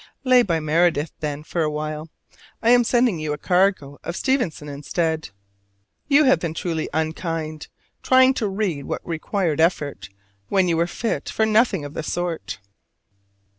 Lay by Meredith, then, for a while: I am sending you a cargo of Stevenson instead. You have been truly unkind, trying to read what required effort, when you were fit for nothing of the sort.